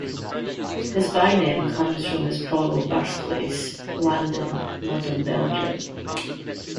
His byname comes from his probable birthplace: Landen, modern Belgium.